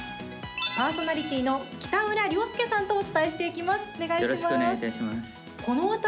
パーソナリティーの北村玲亮さんとお伝えします。